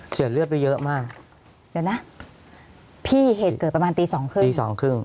เสียเลือดไปเยอะมากเดี๋ยวนะพี่เหตุเกิดประมาณตี๒ครึ่ง